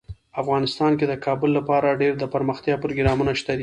افغانستان کې د کابل لپاره ډیر دپرمختیا پروګرامونه شته دي.